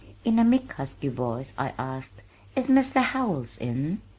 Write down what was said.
In a meek, husky voice I asked, "Is Mr. Howells in?"